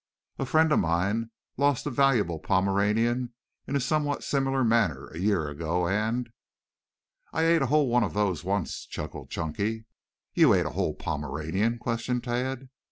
"A friend of mine lost a valuable Pomeranian in a somewhat similar manner a year ago and " "I ate a whole one of those once," chuckled Chunky. "You ate a whole Pomeranian?" questioned Tad.